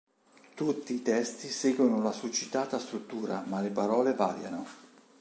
Tutti i testi seguono la succitata struttura ma le parole variano.